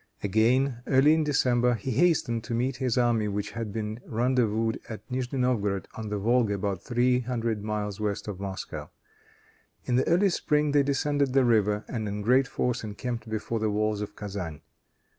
Again, early in December, he hastened to meet his army which had been rendezvoused at Nigni Novgorod, on the Volga, about three hundred miles west of Moscow. In the early spring they descended the river, and in great force encamped before the walls of Kezan.